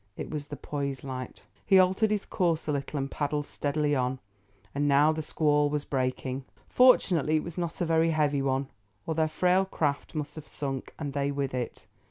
It was the Poise light. He altered his course a little and paddled steadily on. And now the squall was breaking. Fortunately, it was not a very heavy one, or their frail craft must have sunk and they with it.